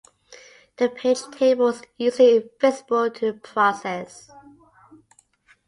The page table is usually invisible to the process.